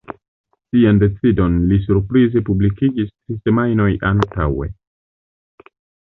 Sian decidon li surprize publikigis tri semajnojn antaŭe.